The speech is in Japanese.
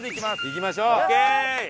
行きましょう。